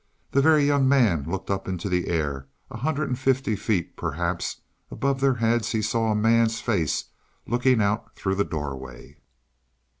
The Very Young Man looked up into the air; a hundred and fifty feet, perhaps, above their heads he saw the man's face looking out through the doorway.